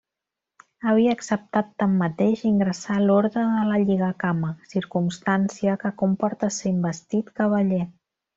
Havia acceptat tanmateix ingressar a l'Orde de la Lligacama, circumstància que comporta ser investit cavaller.